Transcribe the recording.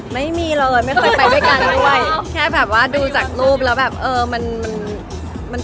มันมีความหมายกับคู่เรายังไงบ้าง